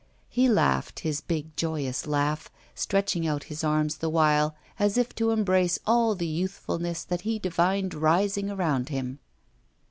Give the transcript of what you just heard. He laughed his big, joyous laugh, stretching out his arms the while as if to embrace all the youthfulness that he divined rising around him.